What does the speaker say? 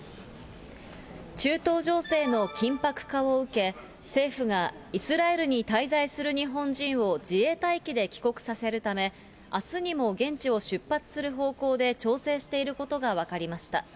中東情勢の緊迫化を受け、政府がイスラエルに滞在する日本人を自衛隊機で帰国させるため、あすにも現地を出発する方向で、調整していることが分かりました。